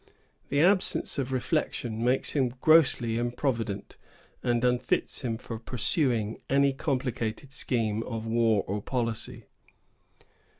The absence of reflection makes him grossly improvident, and unfits him for pursuing any complicated scheme of war or policy.